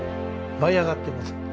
舞い上がってます。